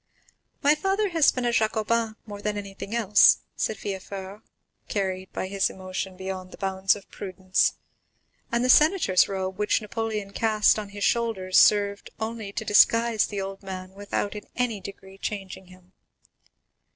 "My father has been a Jacobin more than anything else," said Villefort, carried by his emotion beyond the bounds of prudence; "and the senator's robe, which Napoleon cast on his shoulders, only served to disguise the old man without in any degree changing him.